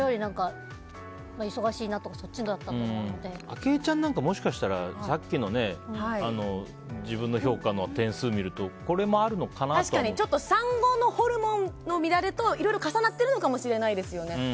あきえちゃんなんかはもしかしたらさっきの自分の評価の点数を見ると産後のホルモンの乱れといろいろ重なっているのかもしれないですよね。